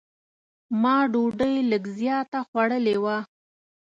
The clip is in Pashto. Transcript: ما ډوډۍ لږ زیاته خوړلې وه.